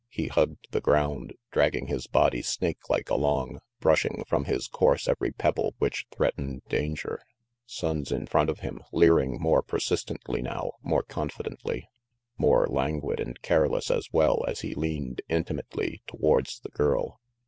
He hugged the ground, dragging his body snakelike along, brushing from his course every pebble which threatened danger. Sonnes in front of him, leering more per sistently now, more confidently! More languid and careless, as well, as he leaned intimately towards the girl.